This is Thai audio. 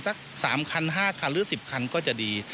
สักหน่อยหนึ่งสัก๓คัน๕คันหรือ๑๐คันก็จะดี